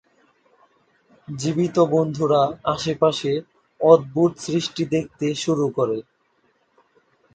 জীবিত বন্ধুরা আশেপাশে অদ্ভুত সৃষ্টি দেখতে শুরু করে।